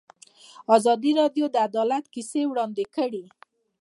ازادي راډیو د عدالت کیسې وړاندې کړي.